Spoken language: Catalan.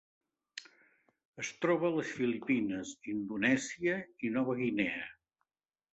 Es troba a les Filipines, Indonèsia i Nova Guinea.